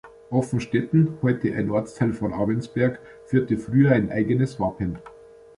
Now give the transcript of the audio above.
Offenstetten, heute ein Ortsteil von Abensberg, führte früher ein eigenes Wappen.